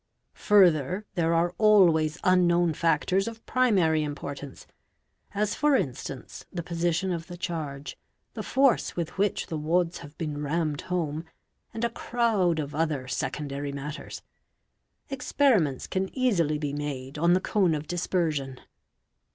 Further there are always unknown factors of primary import ance, as for instance the position of the charge, the force with which the wads have been rammed home, and a crowd of other secondary matters. Experiments can easily be made on the cone of dispersion.